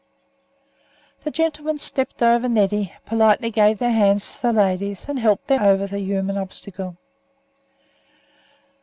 The gentlemen stepped over Neddy, politely gave their hands to the ladies, and helped them over the human obstacle.